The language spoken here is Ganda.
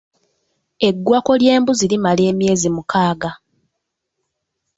Eggwako ly'embuzi limala emyezi mukaaga.